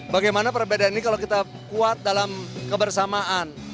bagaimana perbedaan ini kalau kita kuat dalam kebersamaan